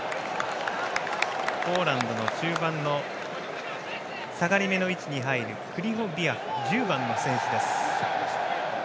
ポーランドの中盤下がりめの位置に入るクリホビアク、１０番の選手です。